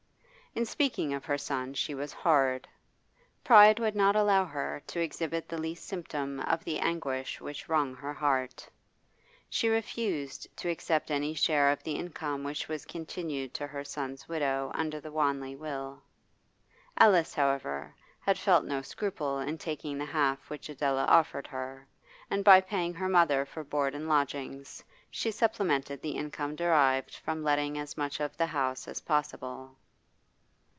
In speaking of her son she was hard. Pride would not allow her to exhibit the least symptom of the anguish which wrung her heart. She refused to accept any share of the income which was continued to her son's widow under the Wanley will. Alice, however, had felt no scruple in taking the half which Adela offered her, and by paying her mother for board and lodgings she supplemented the income derived from letting as much of the house as possible.